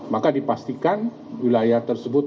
maka dipastikan wilayah tersebut